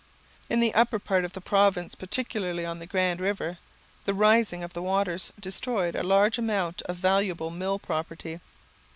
In the upper part of the province, particularly on the grand river, the rising of the waters destroyed a large amount of valuable mill property.